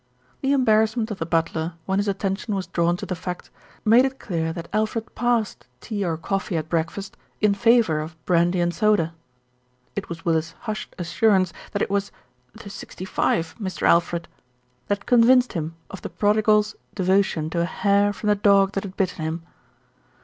The embarrassment of the butler, when his attention was drawn to the fact, made it clear that Alfred passed tea or coffee at breakfast in favour of brandy and soda. It was Willis' hushed assurance that it was "the sixty five, Mr. Alfred," that convinced him of the prodi gal's devotion to a hair from the dog that had bitten him.